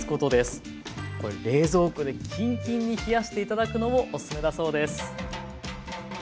これ冷蔵庫でキンキンに冷やして頂くのもおすすめだそうです。